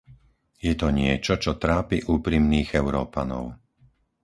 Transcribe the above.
Je to niečo, čo trápi úprimných Európanov.